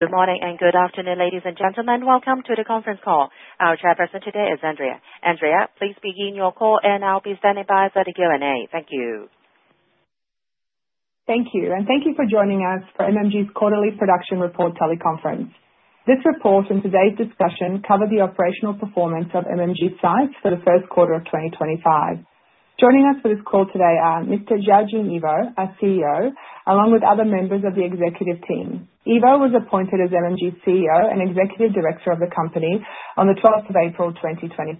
Good morning and good afternoon, ladies and gentlemen. Welcome to the conference call. Our chairperson today is Andrea. Andrea, please begin your call and I'll be standing by for the Q&A. Thank you. Thank you, and thank you for joining us for MMG's quarterly production report teleconference. This report and today's discussion cover the operational performance of MMG's sites for the first quarter of 2025. Joining us for this call today are Mr. Zhao Jing Ivo, our CEO, along with other members of the executive team. Ivo was appointed as MMG's CEO and Executive Director of the company on the 12th of April 2025,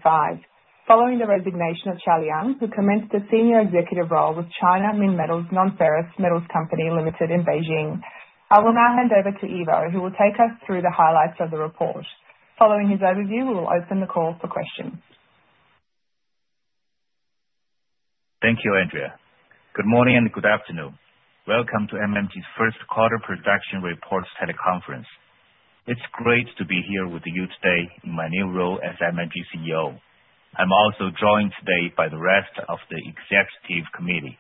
following the resignation of Cao Liang, who commenced a senior executive role with China Minmetals Nonferrous Metals Company Limited in Beijing. I will now hand over to Ivo, who will take us through the highlights of the report. Following his overview, we will open the call for questions. Thank you, Andrea. Good morning and good afternoon. Welcome to MMG's First Quarter Production Reports Teleconference. It's great to be here with you today in my new role as MMG CEO. I'm also joined today by the rest of the executive committee.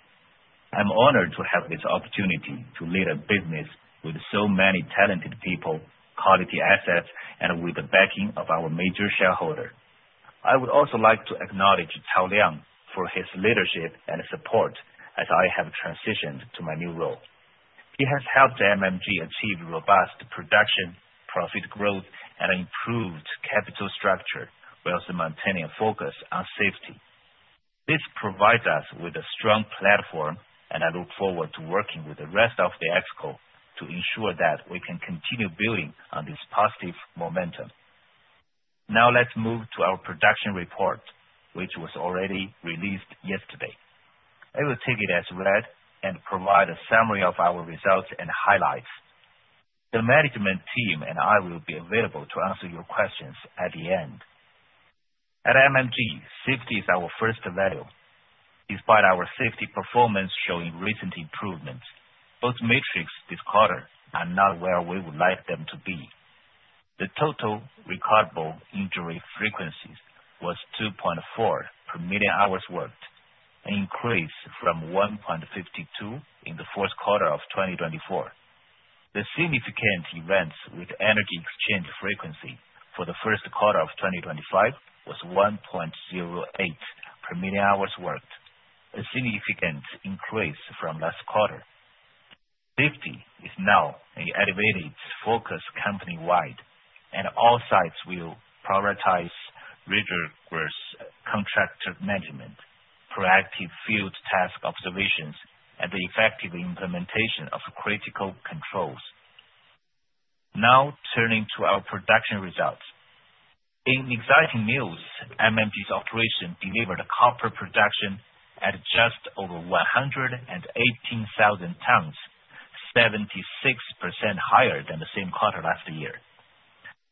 I'm honored to have this opportunity to lead a business with so many talented people, quality assets, and with the backing of our major shareholder. I would also like to acknowledge Cao Liang for his leadership and support as I have transitioned to my new role. He has helped MMG achieve robust production, profit growth, and improved capital structure while maintaining a focus on safety. This provides us with a strong platform, and I look forward to working with the rest of the exco to ensure that we can continue building on this positive momentum. Now let's move to our production report, which was already released yesterday. I will take it as read and provide a summary of our results and highlights. The management team and I will be available to answer your questions at the end. At MMG, safety is our first value. Despite our safety performance showing recent improvements, both metrics this quarter are not where we would like them to be. The total recordable injury frequency was 2.4 per million hours worked, an increase from 1.52 in the fourth quarter of 2024. The significant events with energy exchange frequency for the first quarter of 2025 was 1.08 per million hours worked, a significant increase from last quarter. Safety is now an elevated focus company-wide, and all sites will prioritize rigorous contractor management, proactive field task observations, and the effective implementation of critical controls. Now turning to our production results. In exciting news, MMG's operation delivered a copper production at just over 118,000 tonnes, 76% higher than the same quarter last year.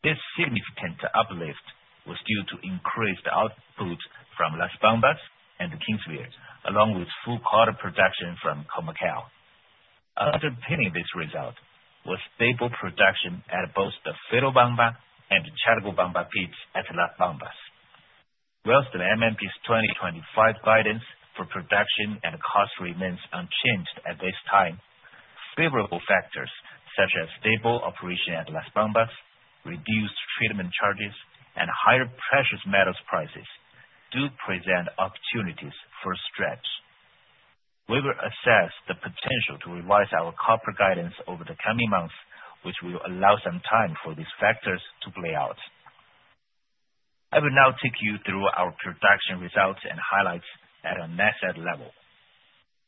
This significant uplift was due to increased output from Las Bambas and Kinsevere, along with full quarter production from Khoemacau. Underpinning this result was stable production at both the Ferrobamba and Chalcobamba peaks at Las Bambas. Whilst MMG's 2025 guidance for production and cost remains unchanged at this time, favorable factors such as stable operation at Las Bambas, reduced treatment charges, and higher precious metals prices do present opportunities for stretch. We will assess the potential to revise our copper guidance over the coming months, which will allow some time for these factors to play out. I will now take you through our production results and highlights at a nested level.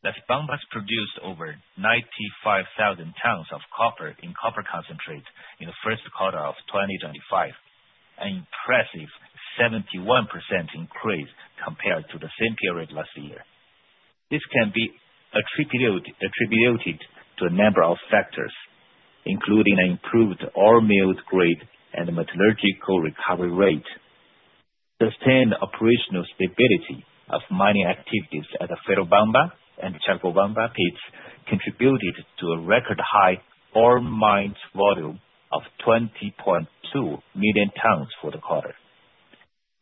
Las Bambas produced over 95,000 tonnes of copper in copper concentrate in the first quarter of 2025, an impressive 71% increase compared to the same period last year. This can be attributed to a number of factors, including an improved ore milled grade and metallurgical recovery rate. Sustained operational stability of mining activities at the Ferrobamba and Chalcobamba peaks contributed to a record high ore mined volume of 20.2 million tonnes for the quarter.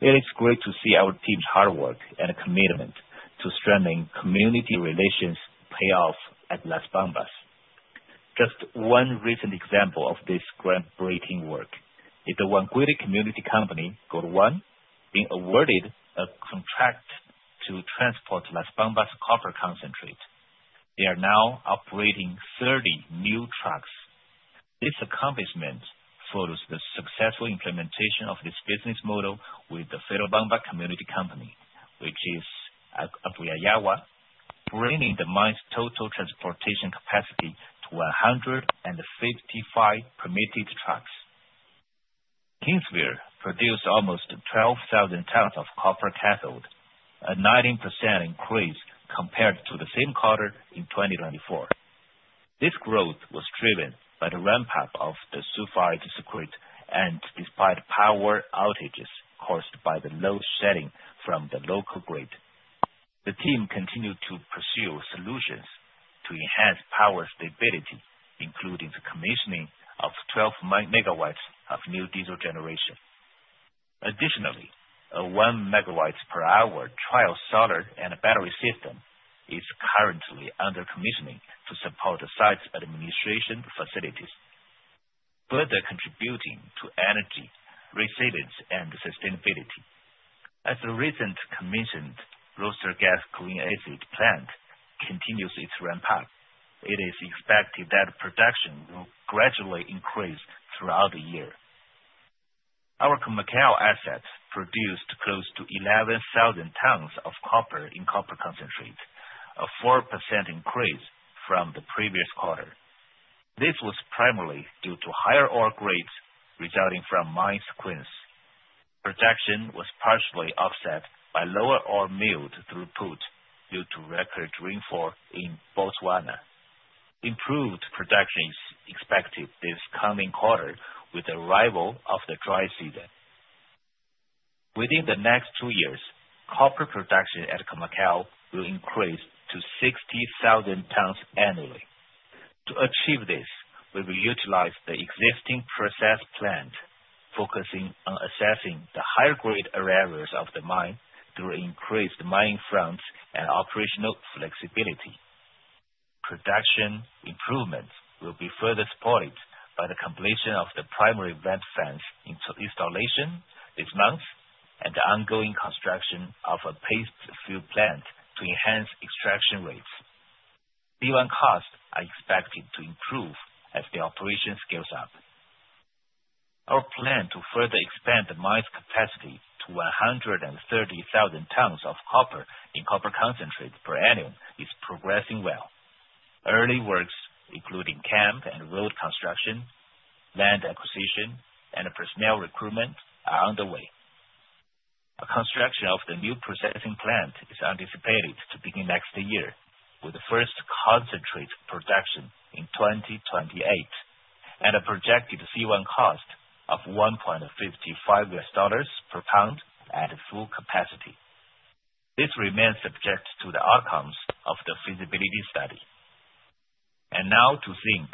It is great to see our team's hard work and commitment to strengthening community relations pay off at Las Bambas. Just one recent example of this groundbreaking work is the Huancuire Community Company, Gold One, being awarded a contract to transport Las Bambas copper concentrate. They are now operating 30 new trucks. This accomplishment follows the successful implementation of this business model with the Fuerabamba Community Company, which is Apu Llallawa, bringing the mine's total transportation capacity to 155 permitted trucks. Kinsevere produced almost 12,000 tonnes of copper cathode, a 19% increase compared to the same quarter in 2024. This growth was driven by the ramp-up of the sulfide circuit and despite power outages caused by the load shedding from the local grid. The team continued to pursue solutions to enhance power stability, including the commissioning of 12 MW of new diesel generation. Additionally, a 1 MWh trial solar and battery system is currently under commissioning to support the site's administration facilities, further contributing to energy, resilience, and sustainability. As the recently commissioned Roaster-Gas Cleaning-Acid plant continues its ramp-up, it is expected that production will gradually increase throughout the year. Our Khoemacau assets produced close to 11,000 tonnes of copper in copper concentrate, a 4% increase from the previous quarter. This was primarily due to higher ore grades resulting from mine sequencing. Production was partially offset by lower ore milled throughput due to record rainfall in Botswana. Improved production is expected this coming quarter with the arrival of the dry season. Within the next two years, copper production at Khoemacau will increase to 60,000 tonnes annually. To achieve this, we will utilize the existing process plant, focusing on accessing the higher grade areas of the mine through increased mining fronts and operational flexibility. Production improvements will be further supported by the completion of the primary vent fans installation this month and the ongoing construction of a paste fill plant to enhance extraction rates. C1 costs are expected to improve as the operation scales up. Our plan to further expand the mine's capacity to 130,000 tonnes of copper in copper concentrate per annum is progressing well. Early works, including camp and road construction, land acquisition, and personnel recruitment, are on the way. Construction of the new processing plant is anticipated to begin next year, with the first concentrate production in 2028 and a projected C1 cost of $1.55 per pound at full capacity. This remains subject to the outcomes of the feasibility study. Now to zinc.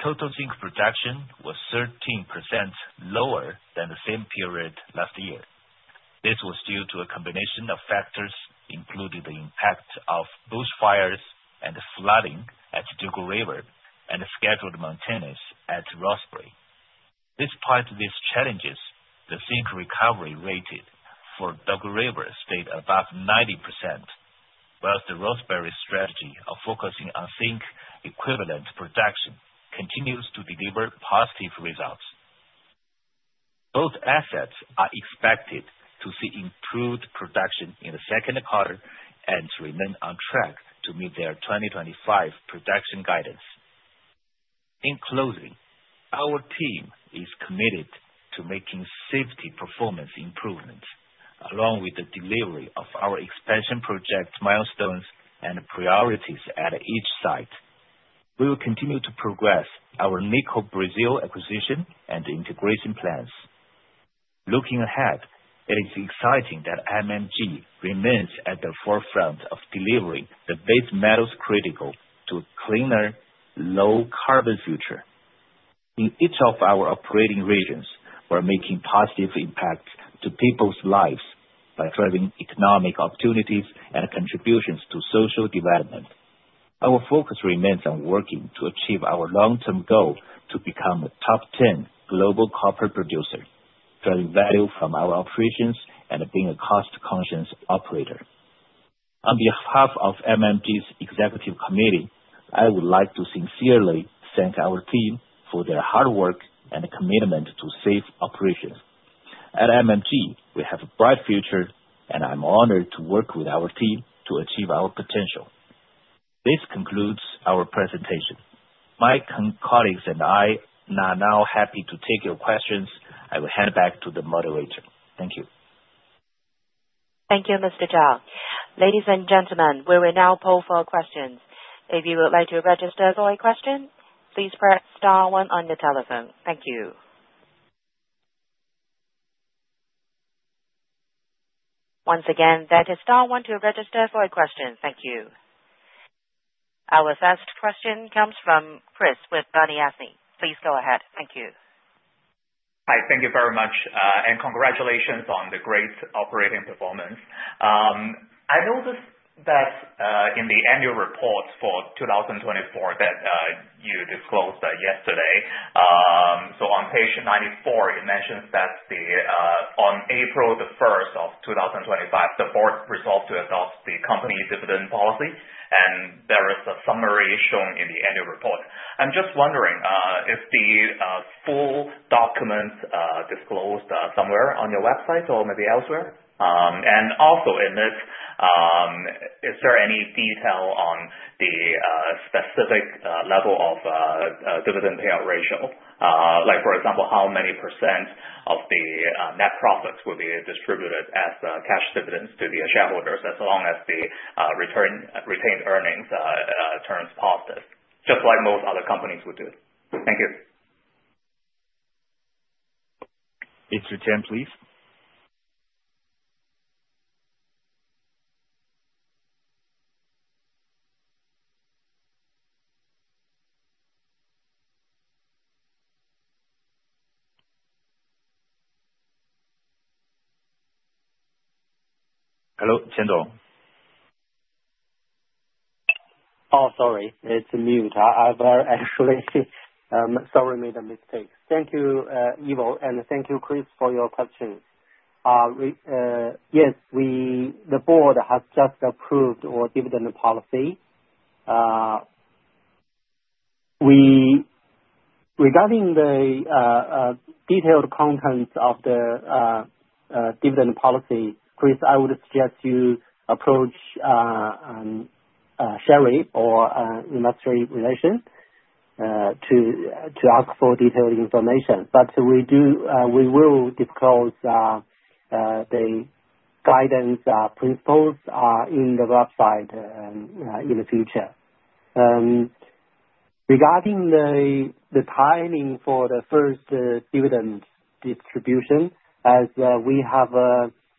Total zinc production was 13% lower than the same period last year. This was due to a combination of factors, including the impact of bushfires and flooding at Dugald River and scheduled maintenance at Rosebery. Despite these challenges, the zinc recovery rate for Dugald River stayed above 90%, whilst the Rosebery strategy of focusing on zinc equivalent production continues to deliver positive results. Both assets are expected to see improved production in the second quarter and to remain on track to meet their 2025 production guidance. In closing, our team is committed to making safety performance improvements, along with the delivery of our expansion project milestones and priorities at each site. We will continue to progress our Nickel Brazil acquisition and integration plans. Looking ahead, it is exciting that MMG remains at the forefront of delivering the base metals critical to a cleaner, low-carbon future. In each of our operating regions, we're making positive impacts to people's lives by driving economic opportunities and contributions to social development. Our focus remains on working to achieve our long-term goal to become a top 10 global copper producer, driving value from our operations and being a cost-conscious operator. On behalf of MMG's executive committee, I would like to sincerely thank our team for their hard work and commitment to safe operations. At MMG, we have a bright future, and I'm honored to work with our team to achieve our potential. This concludes our presentation. My colleagues and I are now happy to take your questions. I will hand back to the moderator. Thank you. Thank you, Mr. Zhao. Ladies and gentlemen, we will now poll for questions. If you would like to register for a question, please press star one on your telephone. Thank you. Once again, that is star one to register for a question. Thank you. Our first question comes from Chris with Bernstein. Please go ahead. Thank you. Hi, thank you very much, and congratulations on the great operating performance. I noticed that in the annual report for 2024 that you disclosed yesterday. On page 94, it mentions that on April 1st, 2025, the board resolved to adopt the company dividend policy, and there is a summary shown in the annual report. I'm just wondering if the full document is disclosed somewhere on your website or maybe elsewhere. Also, is there any detail on the specific level of dividend payout ratio? Like, for example, how many percent of the net profits will be distributed as cash dividends to the shareholders as long as the retained earnings turn positive, just like most other companies would do? Thank you. It's your turn, please. Hello, Qian Song. Oh, sorry, it's mute. I've actually, sorry, made a mistake. Thank you, Ivo, and thank you, Chris, for your questions. Yes, the board has just approved our dividend policy. Regarding the detailed contents of the dividend policy, Chris, I would suggest you approach Sherry or Investor Relations to ask for detailed information. We will disclose the guidance principles on the website in the future. Regarding the timing for the first dividend distribution, as we have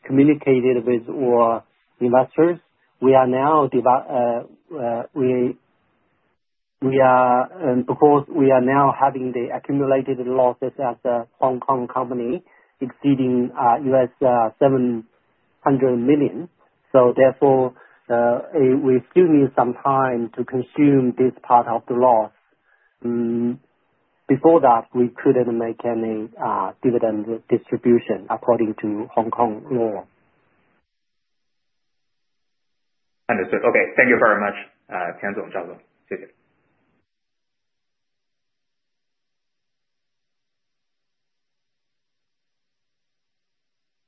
communicated with our investors, we are now, of course, we are now having the accumulated losses as a Hong Kong company exceeding $700 million. Therefore, we still need some time to consume this part of the loss. Before that, we could not make any dividend distribution according to Hong Kong law. Understood. Okay, thank you very much, Qian Song and Zhao. Thank you.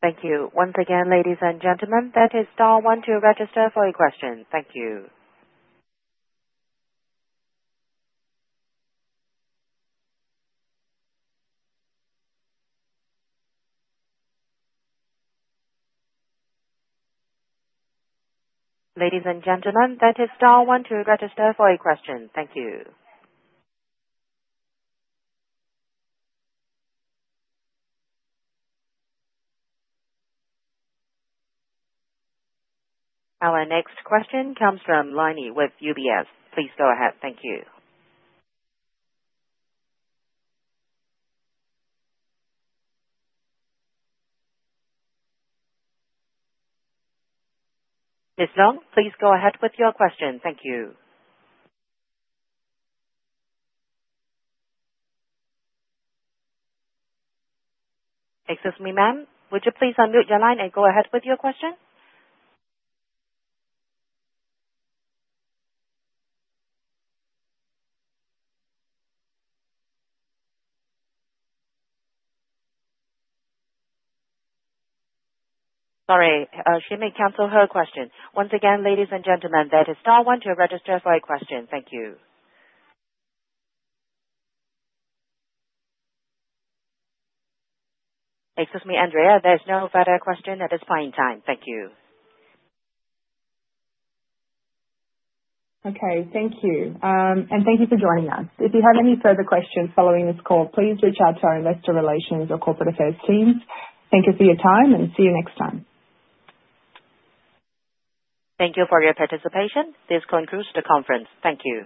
Thank you. Once again, ladies and gentlemen, that is star one to register for a question. Thank you. Ladies and gentlemen, that is star one to register for a question. Thank you. Our next question comes from Lini with UBS. Please go ahead. Thank you. Ms. Zong, please go ahead with your question. Thank you. Excuse me, ma'am, would you please unmute your line and go ahead with your question? Sorry, she may cancel her question. Once again, ladies and gentlemen, that is star one to register for a question. Thank you. Excuse me, Andrea, there is no further question at this point in time. Thank you. Okay, thank you. Thank you for joining us. If you have any further questions following this call, please reach out to our investor relations or corporate affairs teams. Thank you for your time and see you next time. Thank you for your participation. This concludes the conference. Thank you.